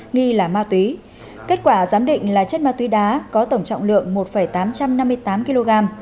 nghi là ma túy kết quả giám định là chất ma túy đá có tổng trọng lượng một tám trăm năm mươi tám kg